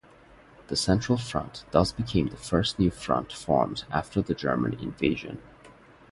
The Central Front thus became the first new Front formed after the German invasion.